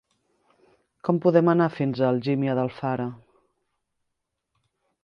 Com podem anar fins a Algímia d'Alfara?